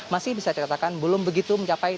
masih bisa dikatakan belum begitu mencapai